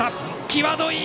際どい！